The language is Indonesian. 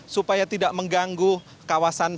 supaya tidak mengganggu kawasan